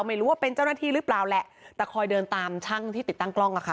ไม่รู้ว่าเป็นเจ้าหน้าที่หรือเปล่าแหละแต่คอยเดินตามช่างที่ติดตั้งกล้องอ่ะค่ะ